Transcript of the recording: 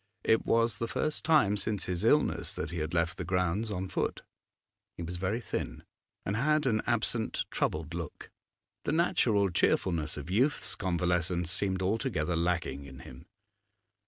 It was the first time since his illness that he had left the grounds on foot. He was very thin, and had an absent, troubled look; the natural cheerfulness of youth's convalescence seemed altogether lacking in him.